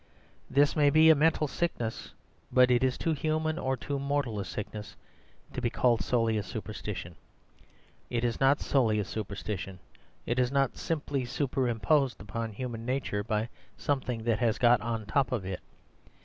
This may be a mental sickness, but it is too human or too mortal a sickness to be called solely a superstition. It is not solely a superstition; it is not simply superimposed upon human nature by something that has got on top of it.